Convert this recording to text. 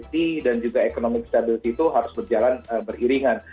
stability dan juga economic stability itu harus berjalan beriringan